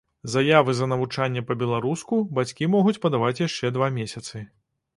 Заявы за навучанне па-беларуску бацькі могуць падаваць яшчэ два месяцы.